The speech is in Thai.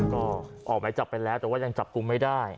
ก็ออกหมายจับไปแล้วแต่ว่ายังจับกลุ่มไม่ได้